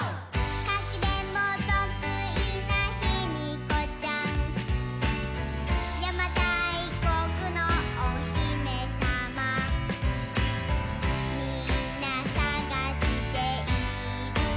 「かくれんぼとくいなヒミコちゃん」「やまたいこくのおひめさま」「みんなさがしているけど」